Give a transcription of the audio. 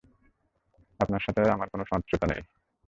আপনার সাথে তো আমার কোনও শত্রুতা নেই।